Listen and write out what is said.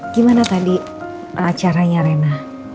gimana tadi acaranya reina